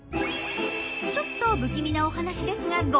ちょっと不気味なお話ですがご安心を。